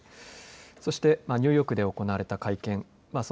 そしてニューヨークで行われた会見。